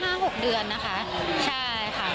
มี๕๖เดือนนะคะใช่ค่ะ